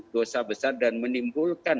dosa besar dan menimbulkan